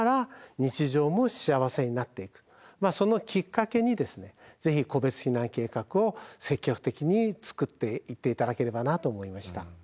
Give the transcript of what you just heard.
そのきっかけにぜひ個別避難計画を積極的に作っていって頂ければなと思いました。